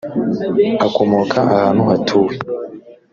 akomoka ahantu hatuwe .